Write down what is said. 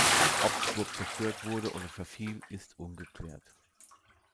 Ob die Burg zerstört wurde oder verfiel, ist ungeklärt.